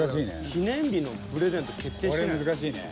記念日のプレゼント決定してないやろ。